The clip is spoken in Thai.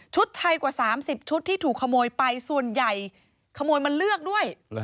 ไทยกว่า๓๐ชุดที่ถูกขโมยไปส่วนใหญ่ขโมยมาเลือกด้วย